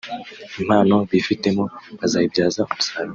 impano bifitemo bazibyaze umusaruro